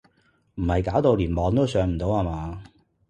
唔係搞到連網都上唔到呀嘛？